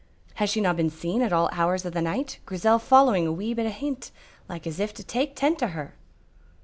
Has she no been seen at all hours o' the night, Grizel following a wee bit ahint, like as if to take tent o her?"